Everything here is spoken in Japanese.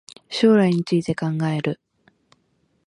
将来について考える